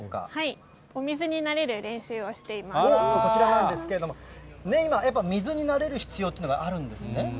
お水に慣れる練習をしていまこちらなんですけれども、今、やっぱ水に慣れる必要ってあるんですね。